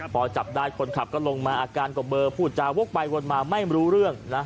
พอจับได้คนขับก็ลงมาอาการก็เบอร์พูดจาวกไปวนมาไม่รู้เรื่องนะ